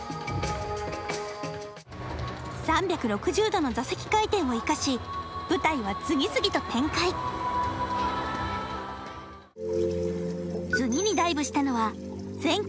３６０度の座席回転を生かし舞台は次々と展開次にダイブしたのは前期